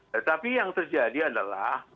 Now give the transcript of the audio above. tetapi yang terjadi adalah